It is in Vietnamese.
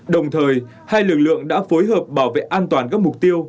đúng pháp luật